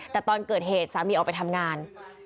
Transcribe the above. แต่ตอนเกิดเหตุสามีออกไปทำงาน